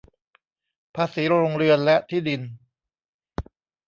ภาษีโรงเรือนและที่ดิน